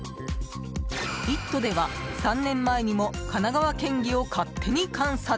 「イット！」では３年前にも神奈川県議を勝手に観察。